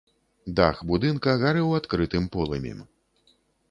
Дах будынка гарэў адкрытым полымем.